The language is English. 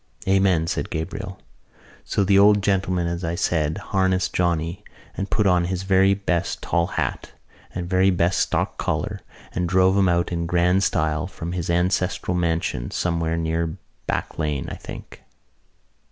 "Amen," said Gabriel. "So the old gentleman, as I said, harnessed Johnny and put on his very best tall hat and his very best stock collar and drove out in grand style from his ancestral mansion somewhere near Back Lane, I think."